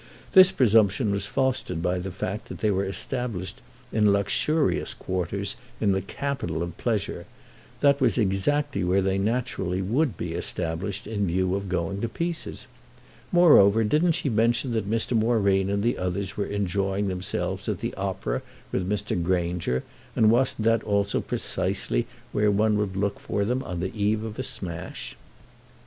This presumption was fostered by the fact that they were established in luxurious quarters in the capital of pleasure; that was exactly where they naturally would be established in view of going to pieces. Moreover didn't she mention that Mr. Moreen and the others were enjoying themselves at the opera with Mr. Granger, and wasn't that also precisely where one would look for them on the eve of a smash?